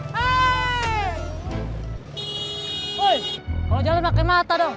hei kalo jalan pake mata dong